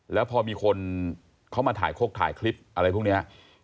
แล้วพอมีคนเขามาถ่ายคกถ่ายคลิปอะไรพวกนี้